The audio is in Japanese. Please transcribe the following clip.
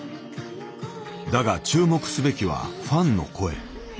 だが注目すべきはファンの声。